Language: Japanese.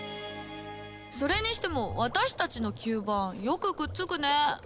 それにしても私たちの吸盤よくくっつくね！